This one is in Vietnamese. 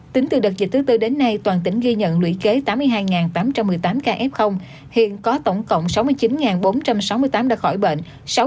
tính từ đợt dịch thứ tư đến nay toàn tỉnh ghi nhận lũy kế tám mươi hai tám trăm một mươi tám ca f hiện có tổng cộng sáu mươi chín bốn trăm sáu mươi tám đã khỏi bệnh